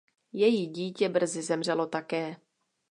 Její dítě brzy zemřelo také.